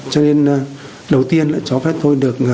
cho nên đầu tiên là cho phép tôi được